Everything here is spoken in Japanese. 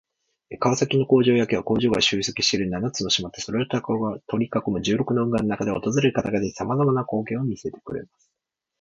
川崎の工場夜景は、工場が集積している七つの島とそれを取り囲む十六の運河の中で訪れる方々に様々な光景を見せてくれます。